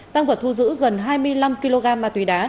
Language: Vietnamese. tăng vật thu giữ gần hai mươi năm kg ma túy đá